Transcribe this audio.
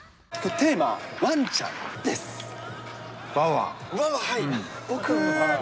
テーマ、ワンちゃんです。